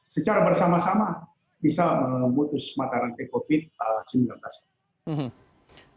secara bersama sama bisa memutus mata rantai covid sembilan belas ini